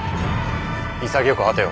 潔く果てよ。